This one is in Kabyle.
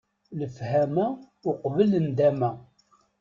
Lefhama uqbel ndama!